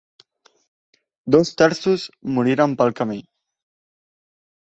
Dos terços moriren pel camí.